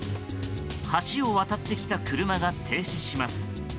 橋を渡ってきた車が停止します。